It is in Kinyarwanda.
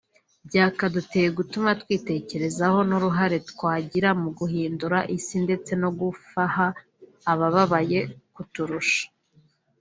byakaduteye gutuma twitekerezaho n’uruhare twagira mu guhindura isi ndetse no gufaha ababaye kuturusha